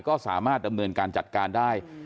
ก็สามารถดำเนินการจัดการได้